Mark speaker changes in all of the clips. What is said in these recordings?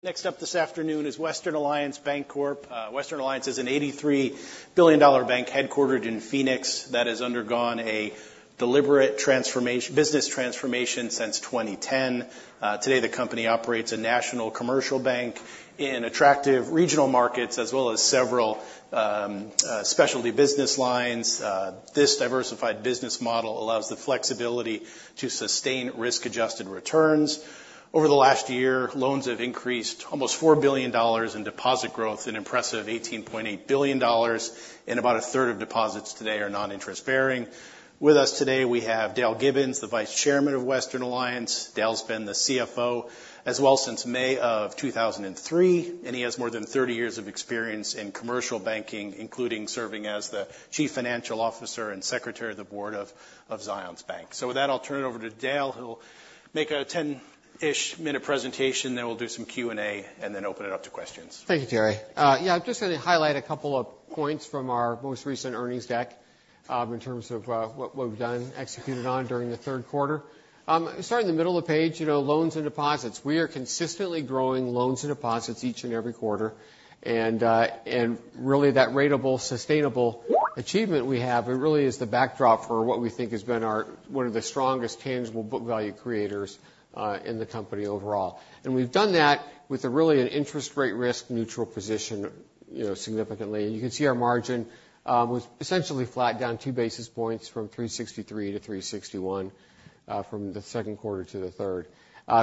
Speaker 1: Next up this afternoon is Western Alliance Bancorporation. Western Alliance is an $83 billion bank headquartered in Phoenix that has undergone a deliberate business transformation since 2010. Today, the company operates a national commercial bank in attractive regional markets as well as several specialty business lines. This diversified business model allows the flexibility to sustain risk-adjusted returns. Over the last year, loans have increased almost $4 billion in deposit growth, an impressive $18.8 billion, and about a third of deposits today are non-interest-bearing. With us today, we have Dale Gibbons, the Vice Chairman of Western Alliance. Dale's been the CFO as well since May of 2003, and he has more than 30 years of experience in commercial banking, including serving as the Chief Financial Officer and Secretary of the Board of Zions Bank. So with that, I'll turn it over to Dale. He'll make a 10-ish minute presentation, then we'll do some Q&A, and then open it up to questions.
Speaker 2: Thank you, Jerry. Yeah, I'm just going to highlight a couple of points from our most recent earnings deck in terms of what we've done, executed on during the third quarter. Starting in the middle of the page, loans and deposits. We are consistently growing loans and deposits each and every quarter. And really, that ratable, sustainable achievement we have really is the backdrop for what we think has been one of the strongest tangible book value creators in the company overall. And we've done that with a really interest rate risk neutral position significantly. And you can see our margin was essentially flat, down two basis points from 363-361 from the second quarter to the third.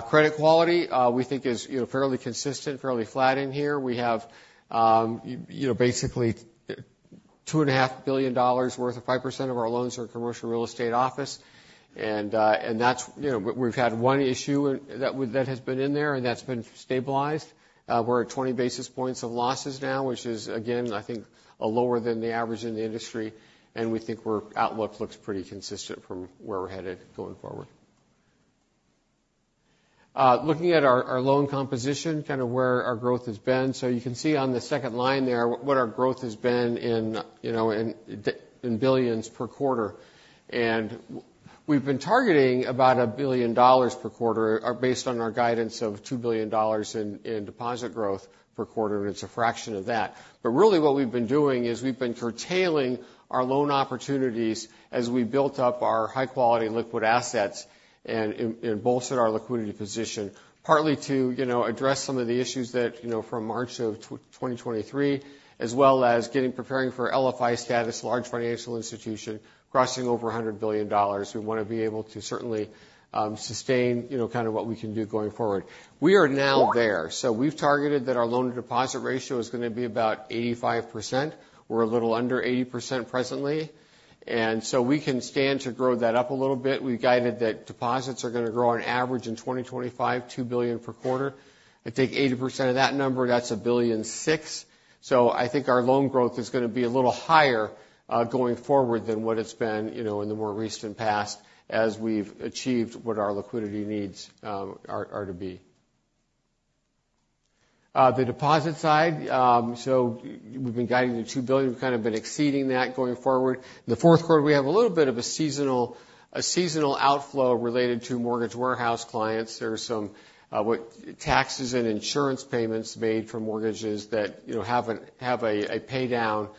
Speaker 2: Credit quality, we think, is fairly consistent, fairly flat in here. We have basically $2.5 billion worth of 5% of our loans are commercial real estate office. We've had one issue that has been in there, and that's been stabilized. We're at 20 basis points of losses now, which is, again, I think, lower than the average in the industry. We think our outlook looks pretty consistent from where we're headed going forward. Looking at our loan composition, kind of where our growth has been. You can see on the second line there what our growth has been in billions per quarter. We've been targeting about $1 billion per quarter based on our guidance of $2 billion in deposit growth per quarter, and it's a fraction of that. But really, what we've been doing is we've been curtailing our loan opportunities as we built up our high-quality liquid assets and bolstered our liquidity position, partly to address some of the issues from March of 2023, as well as preparing for LFI status, large financial institution, crossing over $100 billion. We want to be able to certainly sustain kind of what we can do going forward. We are now there. So we've targeted that our loan-to-deposit ratio is going to be about 85%. We're a little under 80% presently. And so we can stand to grow that up a little bit. We've guided that deposits are going to grow on average in 2025, $2 billion per quarter. If you take 80% of that number, that's $1.6 billion. So I think our loan growth is going to be a little higher going forward than what it's been in the more recent past as we've achieved what our liquidity needs are to be. The deposit side, so we've been guiding to $2 billion. We've kind of been exceeding that going forward. The fourth quarter, we have a little bit of a seasonal outflow related to mortgage warehouse clients. There are some taxes and insurance payments made for mortgages that have a paydown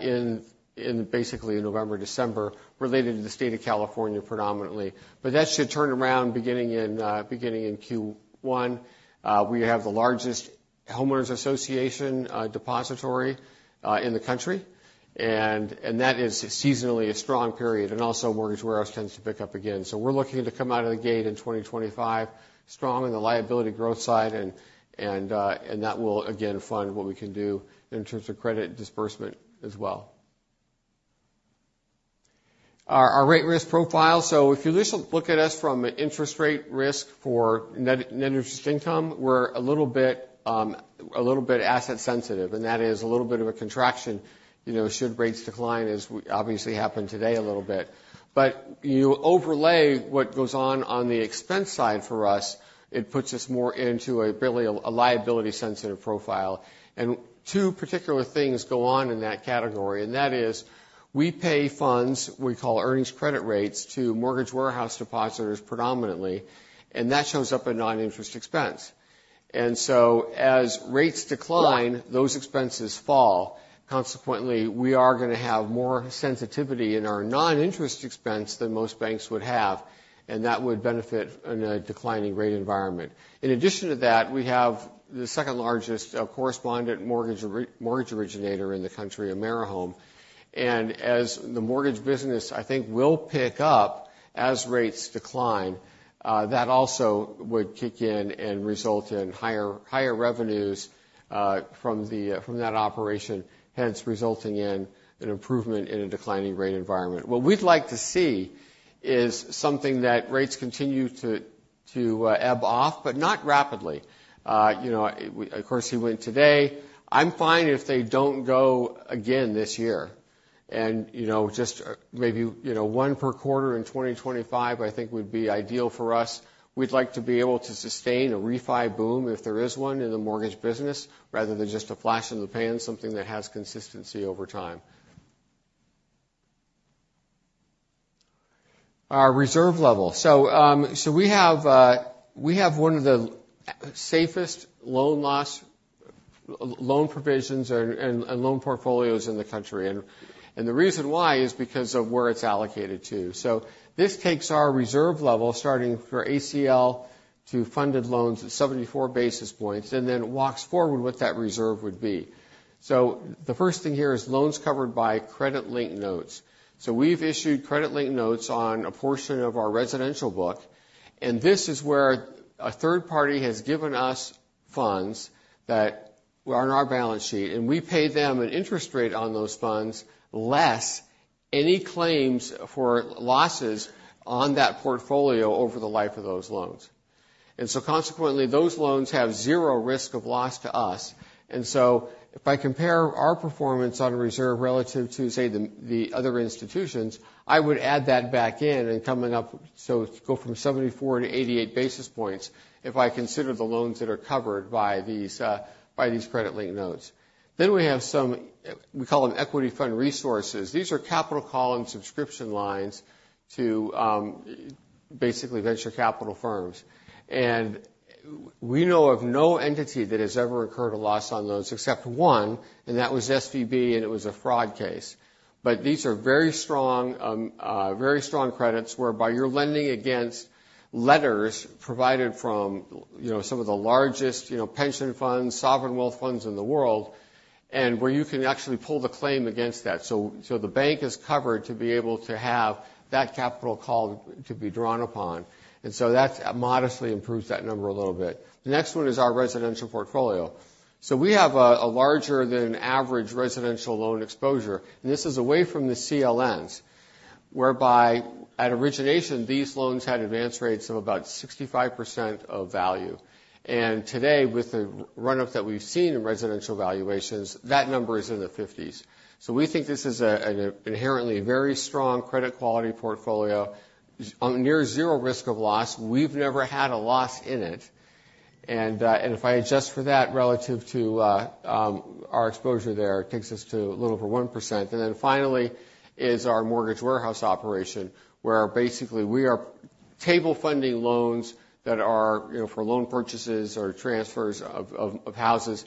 Speaker 2: in basically November, December related to the state of California predominantly. But that should turn around beginning in Q1. We have the largest homeowners association depository in the country, and that is seasonally a strong period. And also, mortgage warehouse tends to pick up again. So we're looking to come out of the gate in 2025 strong on the liability growth side, and that will, again, fund what we can do in terms of credit disbursement as well. Our rate risk profile. So if you just look at us from interest rate risk for net interest income, we're a little bit asset sensitive. And that is a little bit of a contraction should rates decline, as obviously happened today a little bit. But overlay what goes on on the expense side for us, it puts us more into a really liability-sensitive profile. And two particular things go on in that category. And that is we pay funds we call earnings credit rates to mortgage warehouse depositors predominantly, and that shows up in non-interest expense. And so as rates decline, those expenses fall. Consequently, we are going to have more sensitivity in our non-interest expense than most banks would have, and that would benefit in a declining rate environment. In addition to that, we have the second largest correspondent mortgage originator in the country, AmeriHome. And as the mortgage business, I think, will pick up as rates decline, that also would kick in and result in higher revenues from that operation, hence resulting in an improvement in a declining rate environment. What we'd like to see is something that rates continue to ebb off, but not rapidly. Of course, he went today. I'm fine if they don't go again this year. And just maybe one per quarter in 2025, I think, would be ideal for us. We'd like to be able to sustain a refi boom, if there is one, in the mortgage business, rather than just a flash in the pan, something that has consistency over time. Our reserve level. So we have one of the safest loan provisions and loan portfolios in the country. And the reason why is because of where it's allocated to. So this takes our reserve level, starting for ACL to funded loans at 74 basis points, and then walks forward what that reserve would be. So the first thing here is loans covered by credit-linked notes. So we've issued credit-linked notes on a portion of our residential book. And this is where a third party has given us funds that are on our balance sheet. And we pay them an interest rate on those funds less any claims for losses on that portfolio over the life of those loans. And so consequently, those loans have zero risk of loss to us. And so if I compare our performance on reserve relative to, say, the other institutions, I would add that back in and come up, so go from 74-88 basis points if I consider the loans that are covered by these credit-linked notes. Then we have some we call them Equity Fund Resources. These are capital call subscription lines to basically venture capital firms. And we know of no entity that has ever incurred a loss on those except one, and that was SVB, and it was a fraud case. But these are very strong credits whereby you're lending against letters provided from some of the largest pension funds, sovereign wealth funds in the world, and where you can actually pull the claim against that. So the bank is covered to be able to have that capital call to be drawn upon. And so that modestly improves that number a little bit. The next one is our residential portfolio. So we have a larger than average residential loan exposure. And this is away from the CLNs, whereby at origination, these loans had advance rates of about 65% of value. And today, with the run-up that we've seen in residential valuations, that number is in the 50s%. So we think this is an inherently very strong credit quality portfolio, near zero risk of loss. We've never had a loss in it. And if I adjust for that relative to our exposure there, it takes us to a little over 1%. And then finally is our mortgage warehouse operation, where basically we are table funding loans that are for loan purchases or transfers of houses.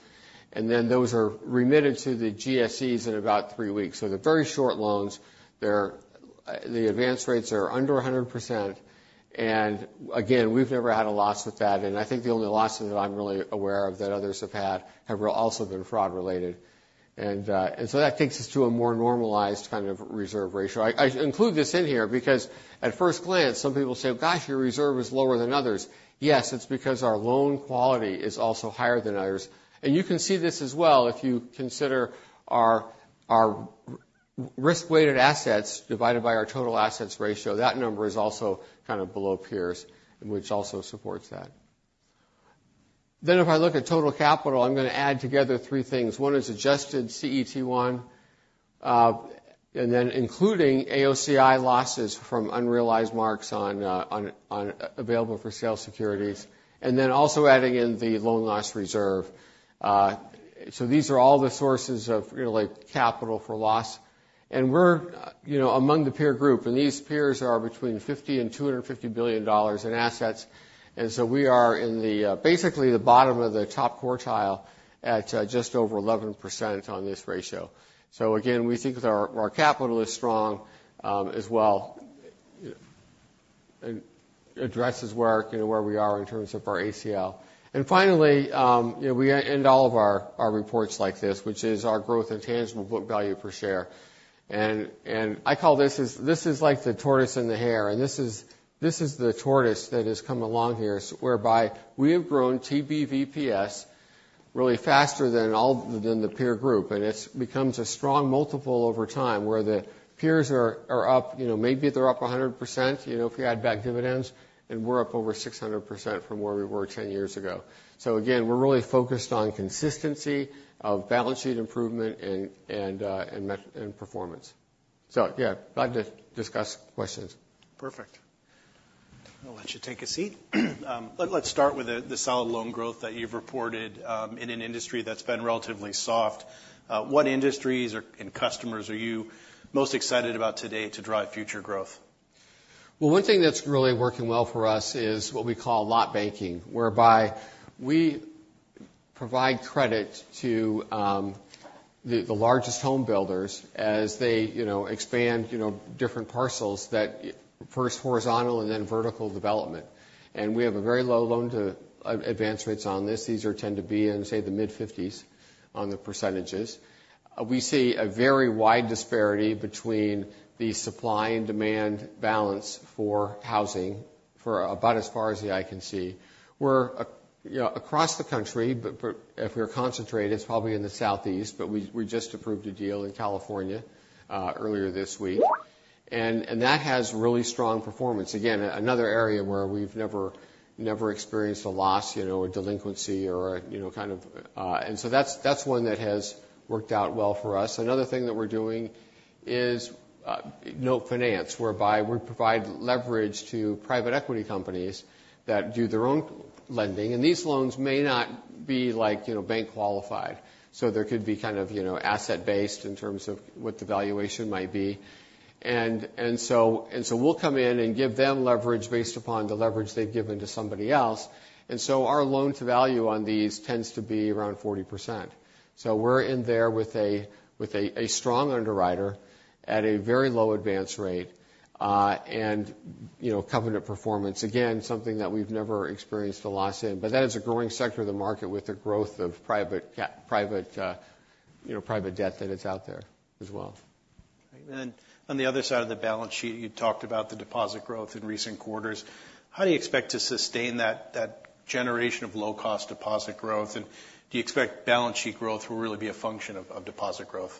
Speaker 2: And then those are remitted to the GSEs in about three weeks. So they're very short loans. The advance rates are under 100%. And again, we've never had a loss with that. And I think the only loss that I'm really aware of that others have had have also been fraud-related. And so that takes us to a more normalized kind of reserve ratio. I include this in here because at first glance, some people say, "Gosh, your reserve is lower than others." Yes, it's because our loan quality is also higher than others. And you can see this as well if you consider our risk-weighted assets divided by our total assets ratio. That number is also kind of below peers, which also supports that. Then if I look at total capital, I'm going to add together three things. One is adjusted CET1, and then including AOCI losses from unrealized marks available for sale securities, and then also adding in the loan loss reserve. So these are all the sources of capital for loss. And we're among the peer group. And these peers are between $50 billion-$250 billion in assets. And so we are in basically the bottom of the top quartile at just over 11% on this ratio. So again, we think that our capital is strong as well and addresses where we are in terms of our ACL. And finally, we end all of our reports like this, which is our growth of tangible book value per share. And I call this is like the tortoise and the hare. And this is the tortoise that has come along here, whereby we have grown TBVPS really faster than the peer group. And it becomes a strong multiple over time where the peers are up. Maybe they're up 100% if you add back dividends, and we're up over 600% from where we were 10 years ago. So again, we're really focused on consistency of balance sheet improvement and performance. So yeah, glad to discuss questions.
Speaker 1: Perfect. I'll let you take a seat. Let's start with the solid loan growth that you've reported in an industry that's been relatively soft. What industries and customers are you most excited about today to drive future growth?
Speaker 2: One thing that's really working well for us is what we call lot banking, whereby we provide credit to the largest home builders as they expand different parcels. That first horizontal and then vertical development. We have a very low loan-to-value ratios on this. These tend to be in, say, the mid-50s%. We see a very wide disparity between the supply and demand balance for housing for about as far as the eye can see. We're across the country, but if we're concentrated, it's probably in the Southeast. We just approved a deal in California earlier this week. That has really strong performance. Again, another area where we've never experienced a loss, a delinquency, or anything of the kind. That's one that has worked out well for us. Another thing that we're doing is note finance, whereby we provide leverage to private equity companies that do their own lending. And these loans may not be bank qualified. So they could be kind of asset-based in terms of what the valuation might be. And so we'll come in and give them leverage based upon the leverage they've given to somebody else. And so our loan-to-value on these tends to be around 40%. So we're in there with a strong underwriter at a very low advance rate and covenant performance, again, something that we've never experienced a loss in. But that is a growing sector of the market with the growth of private debt that is out there as well.
Speaker 1: And on the other side of the balance sheet, you talked about the deposit growth in recent quarters. How do you expect to sustain that generation of low-cost deposit growth? And do you expect balance sheet growth will really be a function of deposit growth?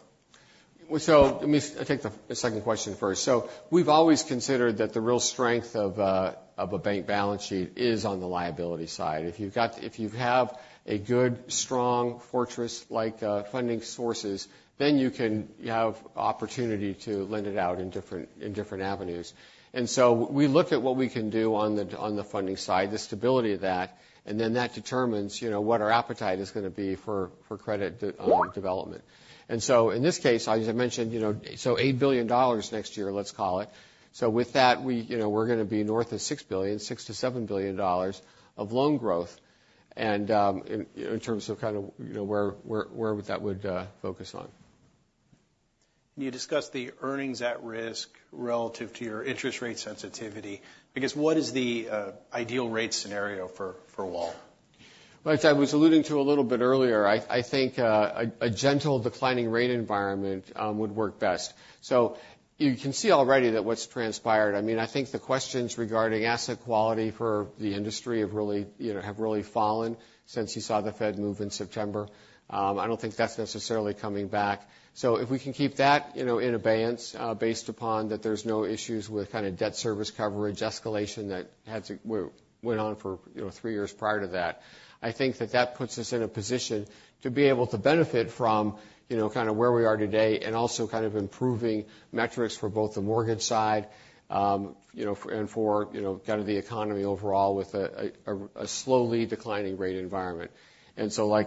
Speaker 2: Let me take the second question first. We've always considered that the real strength of a bank balance sheet is on the liability side. If you have a good, strong fortress-like funding sources, then you have opportunity to lend it out in different avenues. We look at what we can do on the funding side, the stability of that, and then that determines what our appetite is going to be for credit development. In this case, as I mentioned, so $8 billion next year, let's call it. With that, we're going to be north of $6 billion, $6-$7 billion of loan growth in terms of kind of where that would focus on.
Speaker 1: You discussed the earnings at risk relative to your interest rate sensitivity. I guess, what is the ideal rate scenario for WAL?
Speaker 2: Like I was alluding to a little bit earlier, I think a gentle declining rate environment would work best. So you can see already that what's transpired. I mean, I think the questions regarding asset quality for the industry have really fallen since you saw the Fed move in September. I don't think that's necessarily coming back. So if we can keep that in abeyance based upon that there's no issues with kind of debt service coverage escalation that went on for three years prior to that, I think that that puts us in a position to be able to benefit from kind of where we are today and also kind of improving metrics for both the mortgage side and for kind of the economy overall with a slowly declining rate environment. And so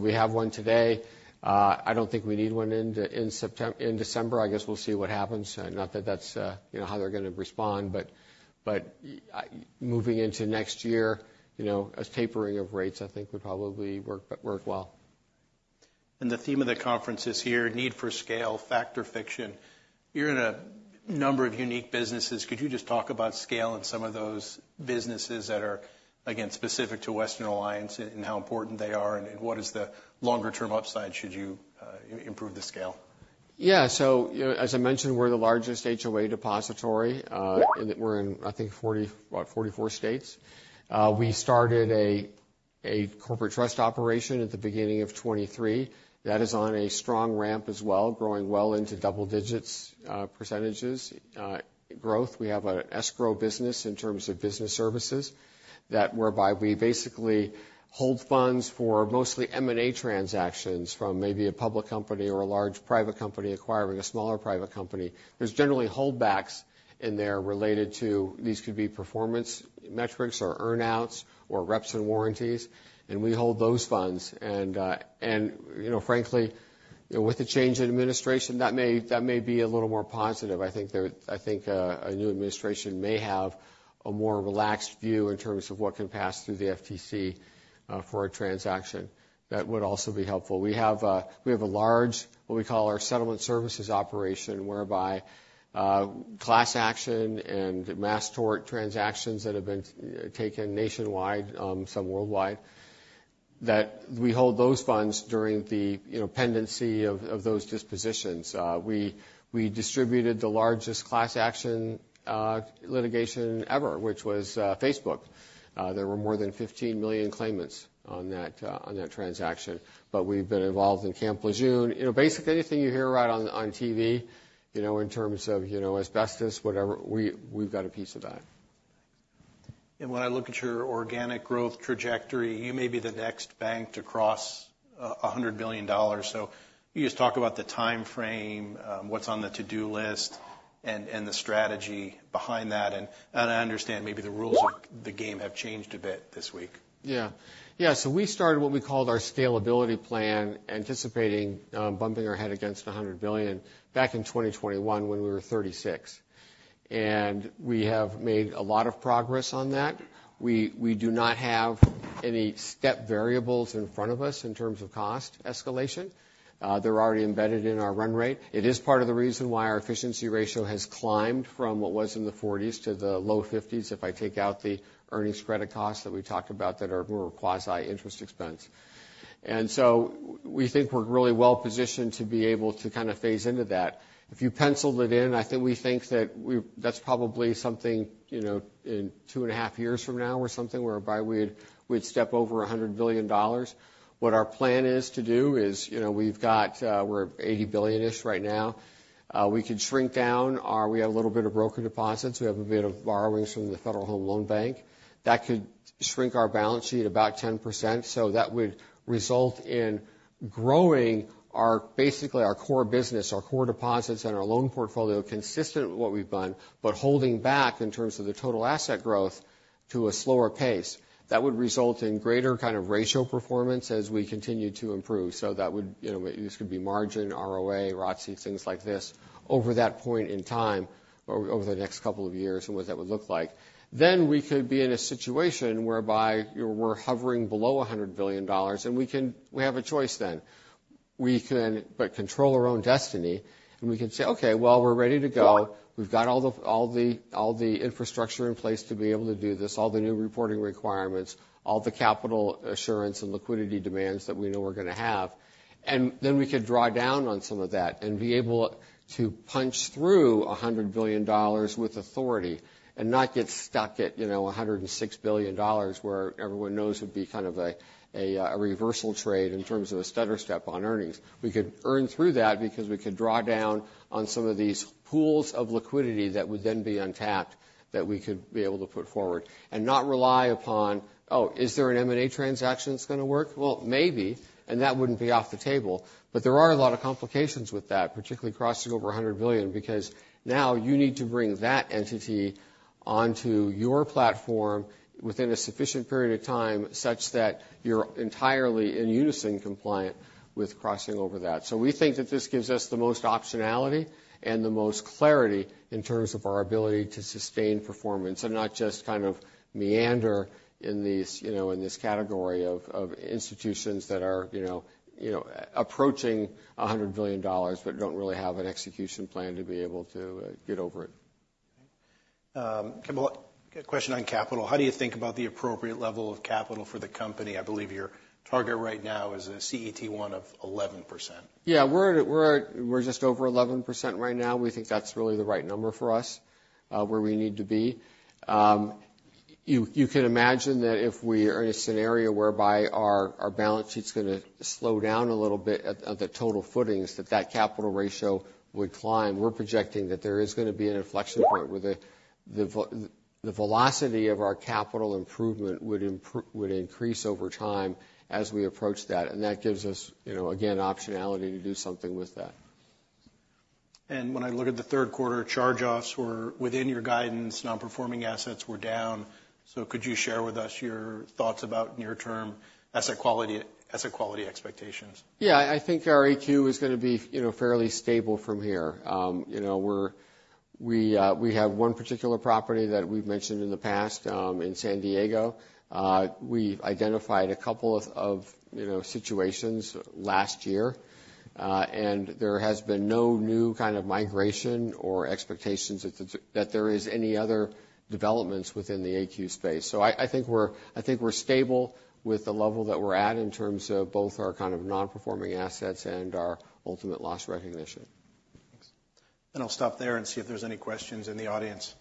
Speaker 2: we have one today. I don't think we need one in December. I guess we'll see what happens. Not that that's how they're going to respond. But moving into next year, a tapering of rates, I think, would probably work well.
Speaker 1: And the theme of the conference is "Need for Scale, Fact or Fiction." You're in a number of unique businesses. Could you just talk about scale in some of those businesses that are, again, specific to Western Alliance and how important they are? And what is the longer-term upside should you improve the scale?
Speaker 2: Yeah. So as I mentioned, we're the largest HOA depository. We're in, I think, about 44 states. We started a corporate trust operation at the beginning of 2023. That is on a strong ramp as well, growing well into double-digit % growth. We have an escrow business in terms of business services whereby we basically hold funds for mostly M&A transactions from maybe a public company or a large private company acquiring a smaller private company. There's generally holdbacks in there related to these could be performance metrics or earnouts or reps and warranties. And we hold those funds. And frankly, with the change in administration, that may be a little more positive. I think a new administration may have a more relaxed view in terms of what can pass through the FTC for a transaction. That would also be helpful. We have a large, what we call our settlement services operation, whereby class action and mass tort transactions that have been taken nationwide, some worldwide, that we hold those funds during the pendency of those dispositions. We distributed the largest class action litigation ever, which was Facebook. There were more than 15 million claimants on that transaction, but we've been involved in Camp Lejeune, basically, anything you hear right on TV in terms of asbestos, whatever, we've got a piece of that.
Speaker 1: And when I look at your organic growth trajectory, you may be the next bank to cross $100 billion. So you just talk about the time frame, what's on the to-do list, and the strategy behind that. And I understand maybe the rules of the game have changed a bit this week.
Speaker 2: Yeah. Yeah. So we started what we called our scalability plan, anticipating bumping our head against $100 billion back in 2021 when we were 36. And we have made a lot of progress on that. We do not have any step variables in front of us in terms of cost escalation. They're already embedded in our run rate. It is part of the reason why our efficiency ratio has climbed from what was in the 40s to the low 50s if I take out the earnings credit costs that we talked about that are more quasi-interest expense. And so we think we're really well positioned to be able to kind of phase into that. If you penciled it in, I think we think that that's probably something in two and a half years from now or something whereby we'd step over $100 billion. What our plan is to do is we're $80 billion-ish right now. We could shrink down. We have a little bit of broker deposits. We have a bit of borrowings from the Federal Home Loan Bank. That could shrink our balance sheet about 10%. So that would result in growing basically our core business, our core deposits, and our loan portfolio consistent with what we've done, but holding back in terms of the total asset growth to a slower pace. That would result in greater kind of ratio performance as we continue to improve. So that could be margin, ROA, ROTC, things like this over that point in time or over the next couple of years and what that would look like. Then we could be in a situation whereby we're hovering below $100 billion, and we have a choice then. We can control our own destiny. And we can say, "Okay, well, we're ready to go. We've got all the infrastructure in place to be able to do this, all the new reporting requirements, all the capital assurance and liquidity demands that we know we're going to have." And then we could draw down on some of that and be able to punch through $100 billion with authority and not get stuck at $106 billion where everyone knows would be kind of a reversal trade in terms of a stutter step on earnings. We could earn through that because we could draw down on some of these pools of liquidity that would then be untapped that we could be able to put forward and not rely upon, "Oh, is there an M&A transaction that's going to work?" Well, maybe. And that wouldn't be off the table. But there are a lot of complications with that, particularly crossing over $100 billion because now you need to bring that entity onto your platform within a sufficient period of time such that you're entirely in unison compliant with crossing over that. So we think that this gives us the most optionality and the most clarity in terms of our ability to sustain performance and not just kind of meander in this category of institutions that are approaching $100 billion but don't really have an execution plan to be able to get over it.
Speaker 1: Kimball, question on capital. How do you think about the appropriate level of capital for the company? I believe your target right now is a CET1 of 11%.
Speaker 2: Yeah. We're just over 11% right now. We think that's really the right number for us where we need to be. You can imagine that if we are in a scenario whereby our balance sheet's going to slow down a little bit at the total footings, that that capital ratio would climb. We're projecting that there is going to be an inflection point where the velocity of our capital improvement would increase over time as we approach that, and that gives us, again, optionality to do something with that.
Speaker 1: And when I look at the third quarter, charge-offs were within your guidance. Non-performing assets were down. So could you share with us your thoughts about near-term asset quality expectations?
Speaker 2: Yeah. I think our AQ is going to be fairly stable from here. We have one particular property that we've mentioned in the past in San Diego. We identified a couple of situations last year. And there has been no new kind of migration or expectations that there are any other developments within the AQ space. So I think we're stable with the level that we're at in terms of both our kind of non-performing assets and our ultimate loss recognition.
Speaker 1: Thanks. And I'll stop there and see if there's any questions in the audience.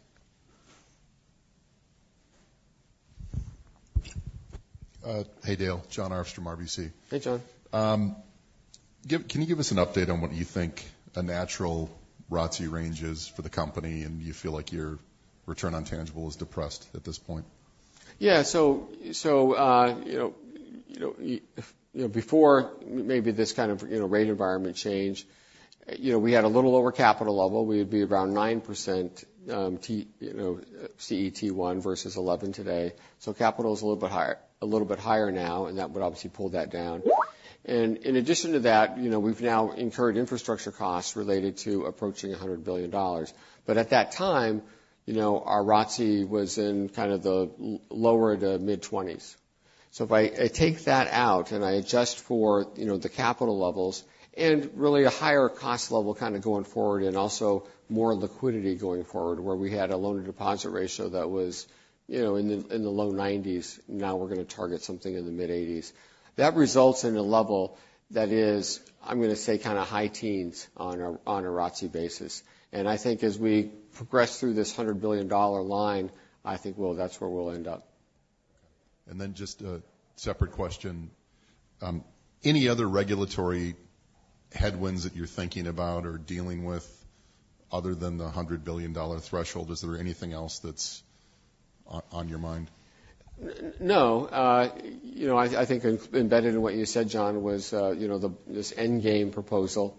Speaker 3: Hey, Dale. Jon Arfstrom, RBC.
Speaker 2: Hey, Jon.
Speaker 3: Can you give us an update on what you think a natural ROTCE range is for the company and you feel like your return on tangible is depressed at this point?
Speaker 2: Yeah. So before maybe this kind of rate environment change, we had a little lower capital level. We would be around 9% CET1 versus 11% today. So capital is a little bit higher now. And that would obviously pull that down. And in addition to that, we've now incurred infrastructure costs related to approaching $100 billion. But at that time, our ROTCE was in kind of the low- to mid-20s. So if I take that out and I adjust for the capital levels and really a higher cost level kind of going forward and also more liquidity going forward where we had a loan-to-deposit ratio that was in the low 90s, now we're going to target something in the mid-80s. That results in a level that is, I'm going to say, kind of high teens on a ROTCE basis. I think as we progress through this $100 billion line, I think, well, that's where we'll end up.
Speaker 3: And then just a separate question. Any other regulatory headwinds that you're thinking about or dealing with other than the $100 billion threshold? Is there anything else that's on your mind?
Speaker 2: No. I think embedded in what you said, Jon, was this end game proposal,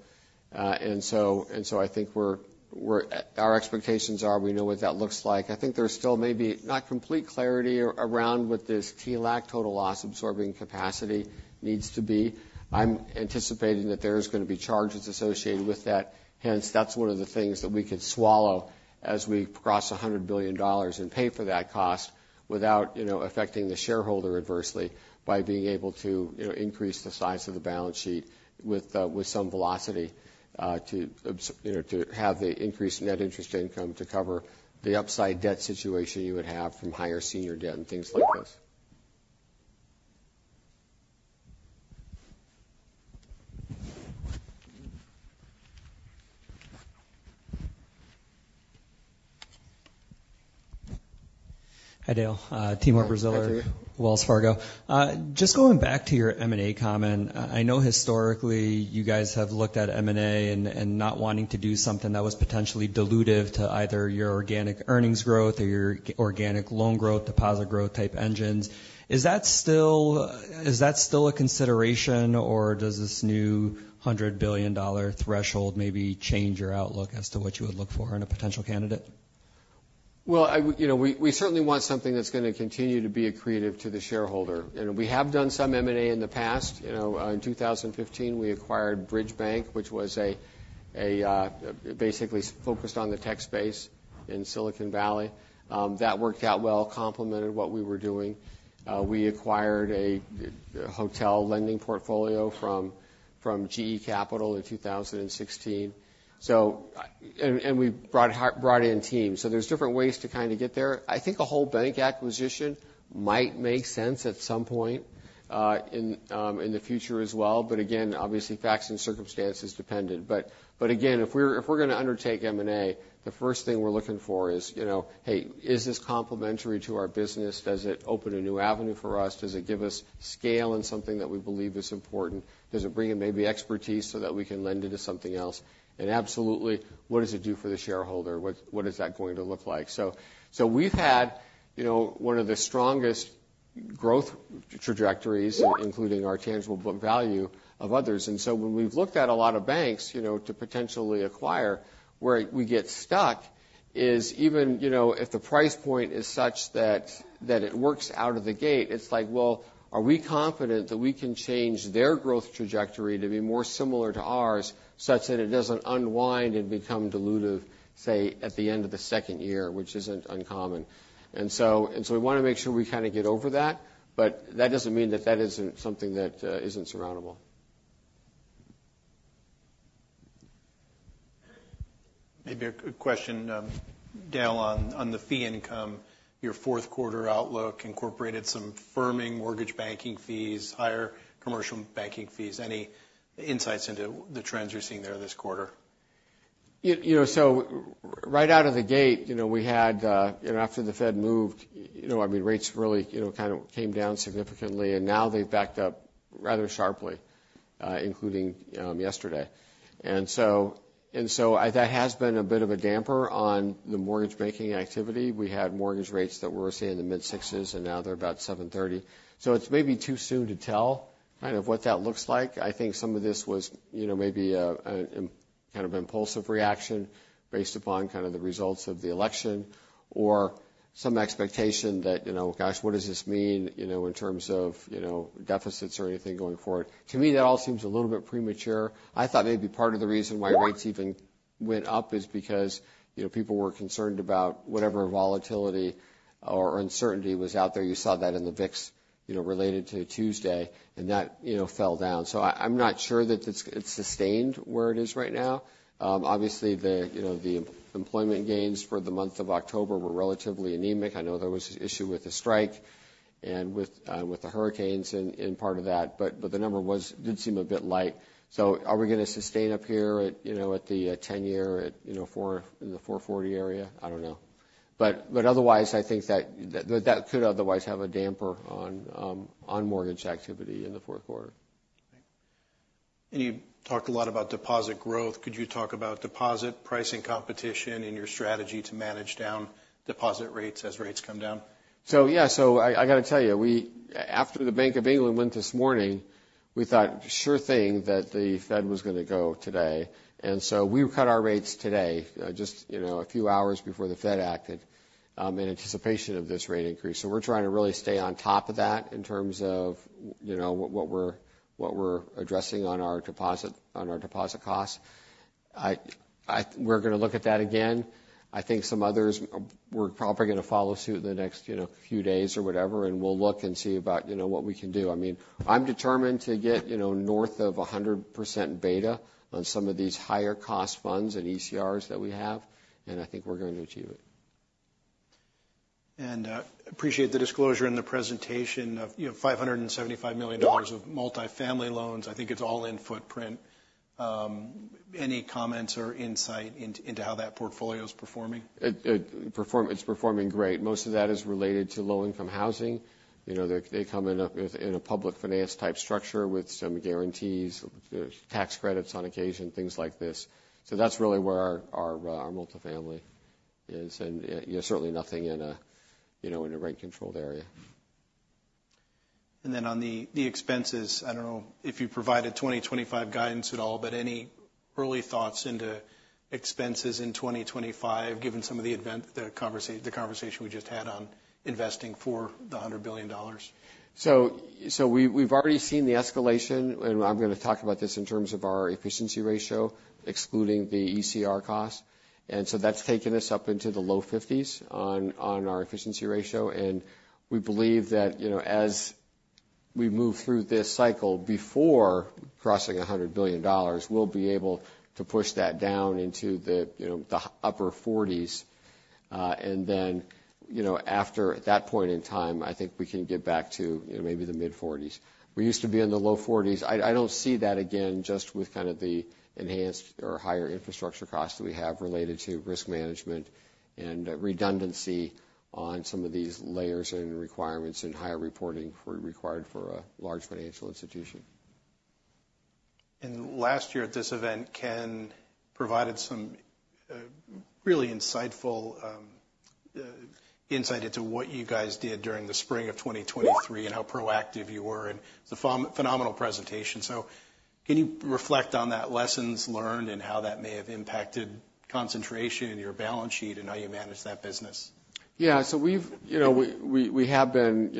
Speaker 2: and so I think our expectations are we know what that looks like. I think there's still maybe not complete clarity around what this TLAC, total loss-absorbing capacity, needs to be. I'm anticipating that there's going to be charges associated with that. Hence, that's one of the things that we could swallow as we cross $100 billion and pay for that cost without affecting the shareholder adversely by being able to increase the size of the balance sheet with some velocity to have the increased net interest income to cover the upside debt situation you would have from higher senior debt and things like this. Hi, Dale. Timur Braziler. Hi, Timur. Wells Fargo. Just going back to your M&A comment, I know historically you guys have looked at M&A and not wanting to do something that was potentially dilutive to either your organic earnings growth or your organic loan growth, deposit growth type engines. Is that still a consideration, or does this new $100 billion threshold maybe change your outlook as to what you would look for in a potential candidate? We certainly want something that's going to continue to be accretive to the shareholder. We have done some M&A in the past. In 2015, we acquired Bridge Bank, which was basically focused on the tech space in Silicon Valley. That worked out well, complemented what we were doing. We acquired a hotel lending portfolio from GE Capital in 2016, and we brought in teams, so there's different ways to kind of get there. I think a whole bank acquisition might make sense at some point in the future as well, but again, obviously, facts and circumstances dependent, but again, if we're going to undertake M&A, the first thing we're looking for is, hey, is this complementary to our business? Does it open a new avenue for us? Does it give us scale in something that we believe is important? Does it bring in maybe expertise so that we can lend it to something else? And absolutely, what does it do for the shareholder? What is that going to look like? So we've had one of the strongest growth trajectories, including our tangible book value, of others. And so when we've looked at a lot of banks to potentially acquire, where we get stuck is even if the price point is such that it works out of the gate, it's like, well, are we confident that we can change their growth trajectory to be more similar to ours such that it doesn't unwind and become dilutive, say, at the end of the second year, which isn't uncommon. And so we want to make sure we kind of get over that. But that doesn't mean that that isn't something that isn't surmountable. Maybe a quick question, Dale, on the fee income. Your fourth quarter outlook incorporated some firming mortgage banking fees, higher commercial banking fees. Any insights into the trends you're seeing there this quarter? So, right out of the gate, we had, after the Fed moved, I mean, rates really kind of came down significantly. And now they've backed up rather sharply, including yesterday. And so that has been a bit of a damper on the mortgage banking activity. We had mortgage rates that were, say, in the mid-6s, and now they're about 7.30. So it's maybe too soon to tell kind of what that looks like. I think some of this was maybe kind of an impulsive reaction based upon kind of the results of the election or some expectation that, gosh, what does this mean in terms of deficits or anything going forward? To me, that all seems a little bit premature. I thought maybe part of the reason why rates even went up is because people were concerned about whatever volatility or uncertainty was out there. You saw that in the VIX related to Tuesday, and that fell down so I'm not sure that it's sustained where it is right now. Obviously, the employment gains for the month of October were relatively anemic. I know there was an issue with the strike and with the hurricanes in part of that, but the number did seem a bit light so are we going to sustain up here at the 10-year in the 440 area? I don't know, but otherwise, I think that could otherwise have a damper on mortgage activity in the fourth quarter. And you talked a lot about deposit growth. Could you talk about deposit pricing competition in your strategy to manage down deposit rates as rates come down? So yeah. So I got to tell you, after the Bank of England went this morning, we thought, sure thing, that the Fed was going to go today. And so we cut our rates today just a few hours before the Fed acted in anticipation of this rate increase. So we're trying to really stay on top of that in terms of what we're addressing on our deposit costs. We're going to look at that again. I think some others were probably going to follow suit in the next few days or whatever. And we'll look and see about what we can do. I mean, I'm determined to get north of 100% beta on some of these higher cost funds and ECRs that we have. And I think we're going to achieve it. I appreciate the disclosure in the presentation of $575 million of multifamily loans. I think it's all in footprint. Any comments or insight into how that portfolio is performing? It's performing great. Most of that is related to low-income housing. They come in a public finance type structure with some guarantees, tax credits on occasion, things like this. So that's really where our multifamily is, and certainly nothing in a rate-controlled area. And then on the expenses, I don't know if you provided 2025 guidance at all, but any early thoughts into expenses in 2025 given some of the conversation we just had on investing for the $100 billion? We've already seen the escalation. I'm going to talk about this in terms of our efficiency ratio, excluding the ECR cost. That's taken us up into the low 50s on our efficiency ratio. We believe that as we move through this cycle before crossing $100 billion, we'll be able to push that down into the upper 40s. Then after that point in time, I think we can get back to maybe the mid-40s. We used to be in the low 40s. I don't see that again just with kind of the enhanced or higher infrastructure costs that we have related to risk management and redundancy on some of these layers and requirements and higher reporting required for a large financial institution. And last year at this event, Ken provided some really insightful insight into what you guys did during the spring of 2023 and how proactive you were and the phenomenal presentation. So can you reflect on that lessons learned and how that may have impacted concentration and your balance sheet and how you manage that business? Yeah. So we have been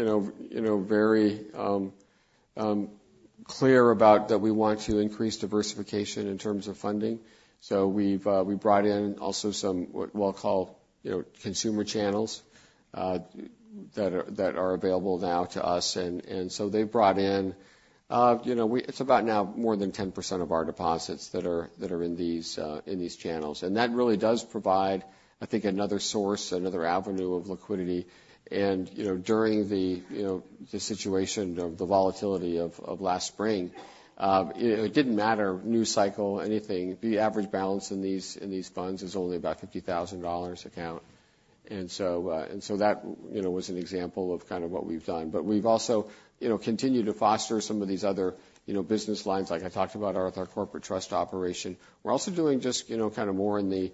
Speaker 2: very clear about that we want to increase diversification in terms of funding. So we brought in also some what we'll call consumer channels that are available now to us. And so they've brought in. It's about now more than 10% of our deposits that are in these channels. And that really does provide, I think, another source, another avenue of liquidity. And during the situation of the volatility of last spring, it didn't matter new cycle, anything. The average balance in these funds is only about $50,000 a count. And so that was an example of kind of what we've done. But we've also continued to foster some of these other business lines like I talked about with our corporate trust operation. We're also doing just kind of more in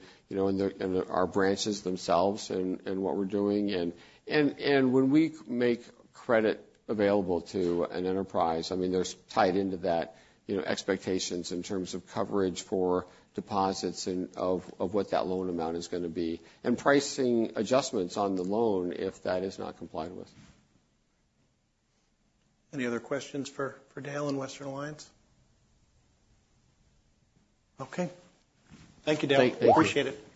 Speaker 2: our branches themselves and what we're doing. When we make credit available to an enterprise, I mean, there's tied into that expectations in terms of coverage for deposits and of what that loan amount is going to be, and pricing adjustments on the loan if that is not complied with.
Speaker 1: Any other questions for Dale and Western Alliance? Okay. Thank you, Dale.
Speaker 3: Thank you.
Speaker 2: Appreciate it.